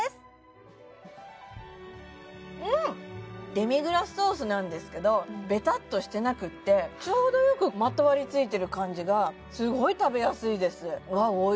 デミグラスソースなんですけどベタッとしてなくてちょうどよくまとわりついてる感じがすごい食べやすいです